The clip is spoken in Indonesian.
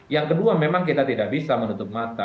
yang kedua memang kita tidak bisa menutup mata